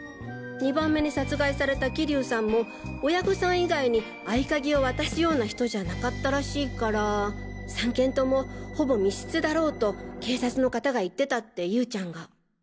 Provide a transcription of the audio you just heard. ２番目に殺害された桐生さんも親御さん以外に合い鍵を渡すような人じゃなかったらしいから３件共ほぼ密室だろうと警察の方が言ってたって優ちゃんが。